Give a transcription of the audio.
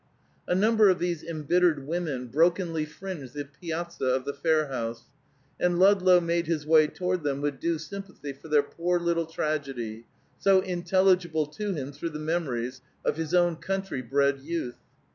A number of these embittered women brokenly fringed the piazza of the fair house, and Ludlow made his way toward them with due sympathy for their poor little tragedy, so intelligible to him through the memories of his own country bred youth.